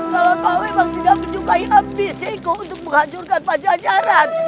kalau kau memang tidak menyukai abdisiku untuk menghancurkan pancajaran